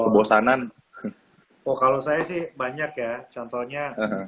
kebosanan oh kalau saya sih banyak ya contohnya